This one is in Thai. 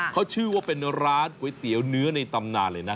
เขาชื่อว่าเป็นร้านก๋วยเตี๋ยวเนื้อในตำนานเลยนะ